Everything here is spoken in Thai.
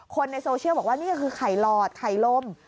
คนในโซเชียลบอกว่านี่ก็คือไข่หลอดไข่ลม